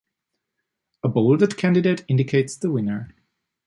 A bolded candidate indicates the winner.